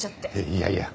いやいや。